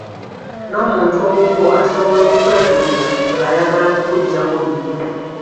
N'omuntu owuwo asobola okukwefuulira nga ayagala kukuggyako bibyo.